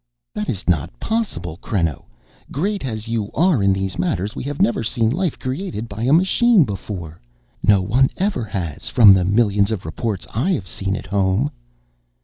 "That is not possible, Creno, great as you are in these matters. We have never seen life created by a machine before. No one ever has, from the millions of reports I have seen at home."